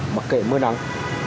mặc kệ mưa nắng